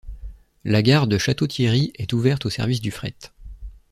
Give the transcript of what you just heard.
La gare de Château-Thierry est ouverte au service du fret.